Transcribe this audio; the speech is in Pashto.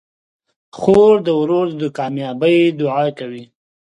خور د ورور د کامیابۍ دعا کوي.